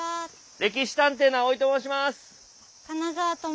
「歴史探偵」の青井と申します！